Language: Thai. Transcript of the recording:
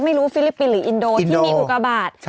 ไม่รู้ฟิลิปปินส์หรืออินโดที่มีอุกระบาท